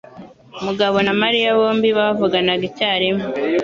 Mugabo na Mariya bombi bavuganaga icyarimwe.